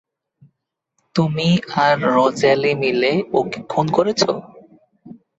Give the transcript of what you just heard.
তুমি আর রোজ্যালি মিলে ওকে খুন করেছ?